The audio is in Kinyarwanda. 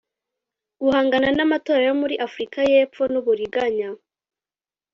guhangana n'amatora yo muri afrika yepfo n'uburiganya